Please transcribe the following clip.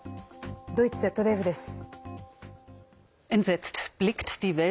ドイツＺＤＦです。